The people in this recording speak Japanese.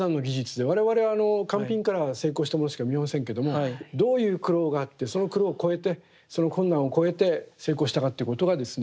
我々は完品からは成功したものしか見えませんけどもどういう苦労があってその苦労を越えてその困難を越えて成功したかっていうことがですね